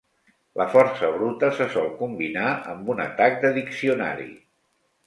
La força bruta se sol combinar amb un atac de diccionari.